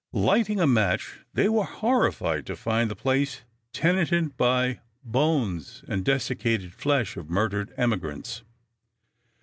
Lighting a match they were horrified to find the place tenanted by the bones and desiccated flesh of murdered emigrants.